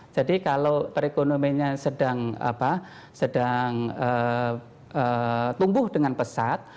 jadi kalau perekonomianya sedang tumbuh dengan pesat